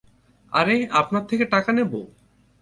আরে, আপনার থেকে টাকা নেবো?